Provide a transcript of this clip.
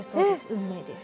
「運命」です。